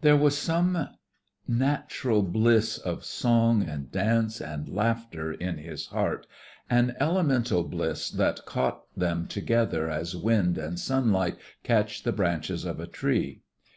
There was some natural bliss of song and dance and laughter in his heart, an elemental bliss that caught them together as wind and sunlight catch the branches of a tree.